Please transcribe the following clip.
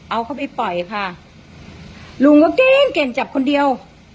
เอาเขาไปปล่อยค่ะลุงก็เก่งเก่งจับคนเดียว